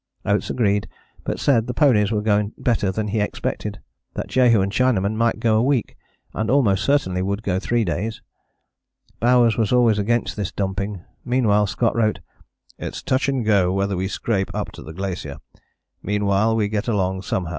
Oates agreed, but said the ponies were going better than he expected: that Jehu and Chinaman might go a week, and almost certainly would go three days. Bowers was always against this dumping. Meanwhile Scott wrote: "It's touch and go whether we scrape up to the glacier; meanwhile we get along somehow."